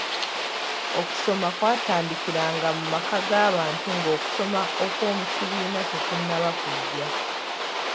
Okusoma kwatandikiranga mu maka g'abantu ng'okusoma okw'omu kibiina tekunnaba kujja.